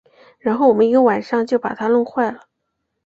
然后我们一个晚上就把它弄坏了